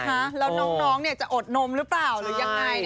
แล้วน้องจะอดนมหรือเปล่าหรือยังไง